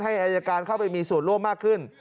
อายการเข้าไปมีส่วนร่วมมากขึ้น